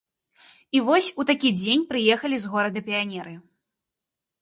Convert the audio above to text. І вось у такі дзень прыехалі з горада піянеры.